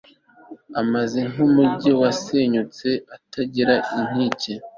ameze nk'umugi wasenyutse utagira inkike